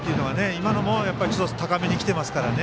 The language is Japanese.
今のも高めにきてましたからね。